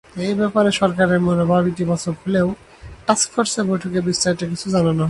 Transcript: এ ব্যাপারে সরকারের মনোভাব ইতিবাচক হলেও টাস্কফোর্সের বৈঠকে বিস্তারিত কিছু জানানো হয়নি।